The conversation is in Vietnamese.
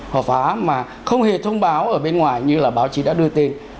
họ phá mà không hề thông báo ở bên ngoài như là báo chí đã đưa tên